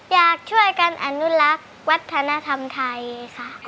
อยากช่วยกันอนุรักษ์วัฒนธรรมไทยค่ะ